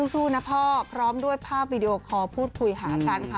สู้นะพ่อพร้อมด้วยภาพวีดีโอคอลพูดคุยหากันค่ะ